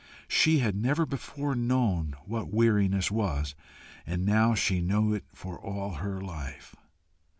She had never before known what weariness was, and now she knew it for all her life.